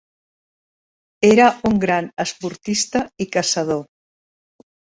Era un gran esportista i caçador.